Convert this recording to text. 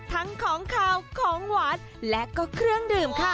ทั้งของขาวของหวานและก็เครื่องดื่มค่ะ